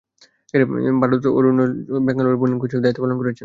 Bharat Arun Royal Challengers বেঙ্গালুরুর bowling coach হিসেবে দায়িত্ব পালন করছেন।